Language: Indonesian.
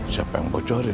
siapa yang bocorin ya